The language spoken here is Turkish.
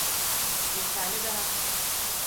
Bir tane daha.